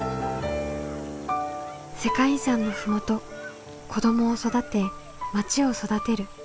世界遺産の麓子どもを育てまちを育てる。